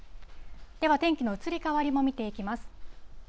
では、天気の移り変わりも見ていきます。